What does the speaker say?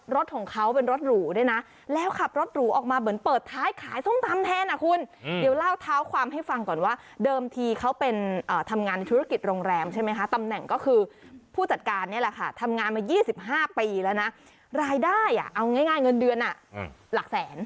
รถของเขาเป็นรถหรูด้วยนะแล้วขับรถหรูออกมาเหมือนเปิดท้ายขายส้มตำแทนอ่ะคุณเดี๋ยวเล่าเท้าความให้ฟังก่อนว่าเดิมทีเขาเป็นทำงานธุรกิจโรงแรมใช่ไหมคะตำแหน่งก็คือผู้จัดการนี่แหละค่ะทำงานมา๒๕ปีแล้วนะรายได้อ่ะเอาง่ายเงินเดือนหลักแสน